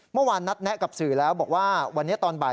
เมื่อวานนัดแนะกับสื่อแล้วบอกว่าวันนี้ตอนบ่าย